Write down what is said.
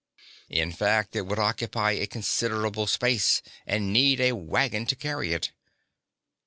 In fact, it would occupy a considerable space, and need a waggon to carry it.